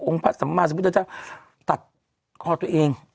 พระสัมมาสัมพุทธเจ้าตัดคอตัวเอง